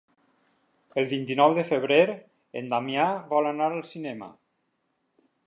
El vint-i-nou de febrer en Damià vol anar al cinema.